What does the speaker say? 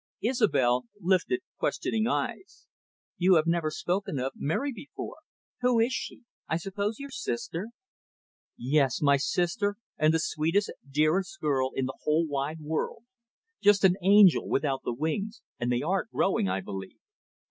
Isobel lifted questioning eyes. "You have never spoken of Mary before. Who is she? I suppose your sister?" "Yes, my sister, and the sweetest, dearest girl in the wide world. Just an angel without the wings, and they are growing, I believe.